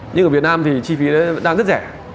nhưng ở việt nam thì chi phí đang rất rẻ